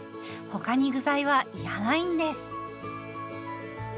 他に具材は要らないんです。